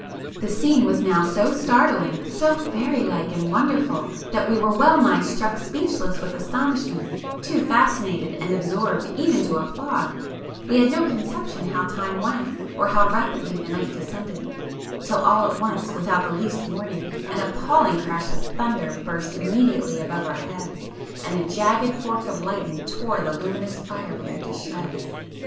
The scene was now so startling, so fairy like and wonderful, that we were well nigh struck speechless with astonishment,—too fascinated and absorbed even to applaud, we had no conception how time went, or how [p 281] rapidly the night descended,—till all at once without the least warning, an appalling crash of thunder burst immediately above our heads, and a jagged fork of lightning tore the luminous fire balloon to shreds.